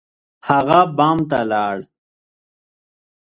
هغه بام ته لاړ.